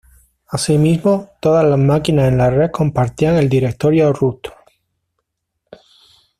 Asimismo, todas las máquinas en la red compartían el directorio root.